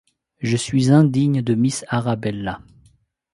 Je suis indigne de miss Arabella !